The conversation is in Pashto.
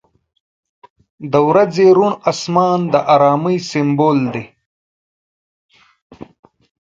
• د ورځې روڼ آسمان د آرامۍ سمبول دی.